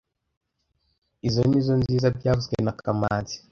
Izoi nizoo nziza byavuzwe na kamanzi